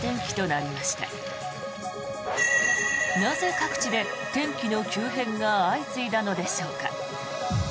なぜ、各地で天気の急変が相次いだのでしょうか。